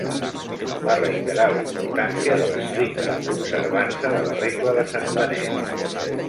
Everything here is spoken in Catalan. Va reiterar la importància de l'estricta observança de la Regla de Sant Benet.